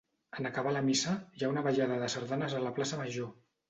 En acabar la missa, hi ha una ballada de sardanes a la Plaça Major.